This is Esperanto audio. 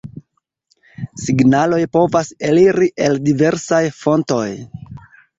Signaloj povas eliri el diversaj fontoj.